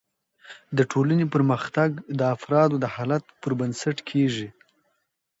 د ټولني پرمختګ د افرادو د حالت پر بنسټ کیږي.